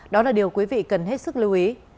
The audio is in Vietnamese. đó là điều quý vị cần hết sức lưu ý